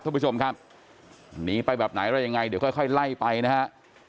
คุณผู้ชมครับหนีไปแบบไหนแล้วยังไงเดี๋ยวค่อยไล่ไปนะฮะ